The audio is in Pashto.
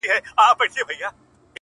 په خپلو اوښکو؛